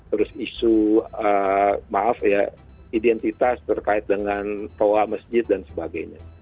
terus isu maaf ya identitas terkait dengan toa masjid dan sebagainya